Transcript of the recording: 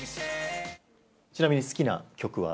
ちなみに好きな曲は？